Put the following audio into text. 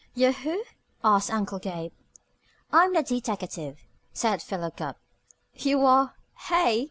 "You're who?" asked Uncle Gabe. "I'm the deteckative," said Philo Gubb. "You are, hey?"